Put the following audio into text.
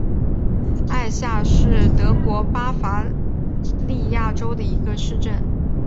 艾夏是德国巴伐利亚州的一个市镇。